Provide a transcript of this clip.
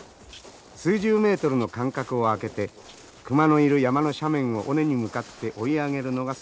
数十メートルの間隔を空けて熊のいる山の斜面を尾根に向かって追い上げるのがその仕事です。